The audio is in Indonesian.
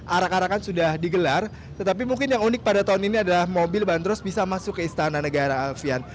arak arakan sudah digelar tetapi mungkin yang unik pada tahun ini adalah mobil bandros bisa masuk ke istana negara alfian